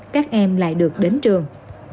các em lại được đến trường